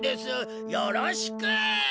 よろしく！